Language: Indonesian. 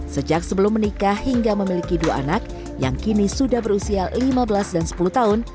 sejak sebelum menikah hingga memiliki dua anak yang kini sudah berusia lima belas dan sepuluh tahun